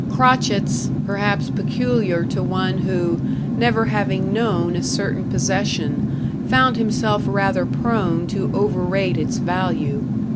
Crotchets, perhaps peculiar to one, who, never having known a certain possession, found himself rather prone to over rate its value.